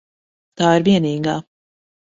Tā ir vienīgā.